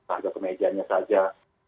harga pemediaannya saja